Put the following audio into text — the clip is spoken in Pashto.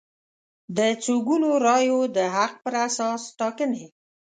د څو ګونو رایو د حق پر اساس ټاکنې